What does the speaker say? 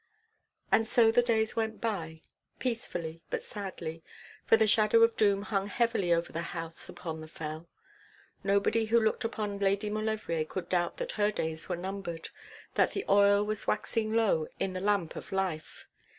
And so the days went by, peacefully, but sadly; for the shadow of doom hung heavily over the house upon the Fell. Nobody who looked upon Lady Maulevrier could doubt that her days were numbered, that the oil was waxing low in the lamp of life.